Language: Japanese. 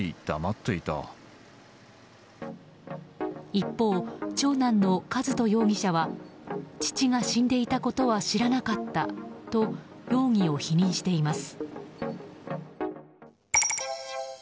一方、長男の和人容疑者は父が死んでいたことは知らなかったと容疑を否認しています。